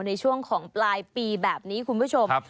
ในช่วงของปลายปีแบบนี้คุณผู้ชม